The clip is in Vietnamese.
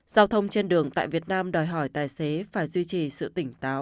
giao thông trên đường tại việt nam đòi hỏi tài xế phải duy trì sự tỉnh táo